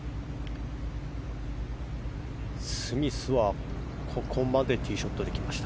スミスはここまでティーショットできました。